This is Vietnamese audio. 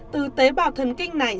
từ tế bào thần kinh này